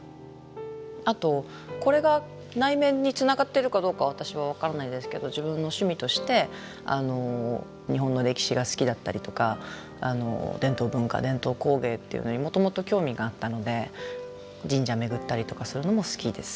あとこれが内面につながってるかどうか私は分からないですけど自分の趣味として日本の歴史が好きだったりとか伝統文化伝統工芸っていうのにもともと興味があったので神社巡ったりとかするのも好きです。